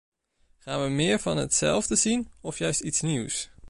Gaan we meer van hetzelfde zien of juist iets nieuws?